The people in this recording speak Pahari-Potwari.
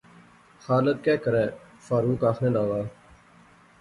خالق کہہ کرے، فاروق آخنے لاغا